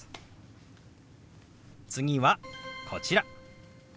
次はこちら。